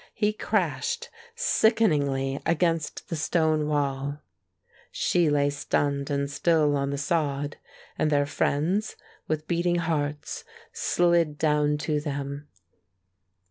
He crashed sickeningly against the stone wall; she lay stunned and still on the sod; and their friends, with beating hearts, slid down to them.